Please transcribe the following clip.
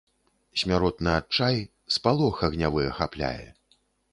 Смяротны адчай, спалох агнявы ахапляе.